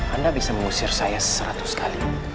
anda bisa mengusir saya seratus kali